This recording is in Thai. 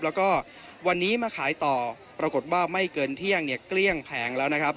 แล้วก็วันนี้มาขายต่อปรากฏว่าไม่เกินเที่ยงเนี่ยเกลี้ยงแผงแล้วนะครับ